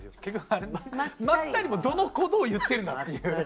結局まったりもどのことを言ってるんだ。